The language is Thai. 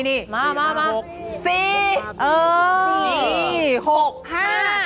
นี่มา